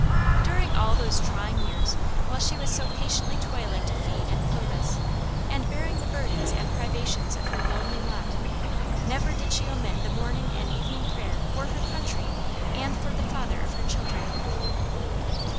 "During all those trying years while she was so patiently toiling to feed and clothe us, and bearing the burdens and privations of her lonely lot, never did she omit the morning and evening prayer for her country and for the father of her children.